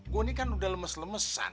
gue ini kan udah lemes lemesan